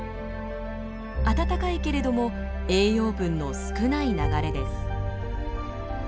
暖かいけれども栄養分の少ない流れです。